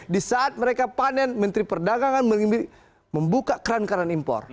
di saat mereka panen menteri perdagangan membuka kerangkaran impor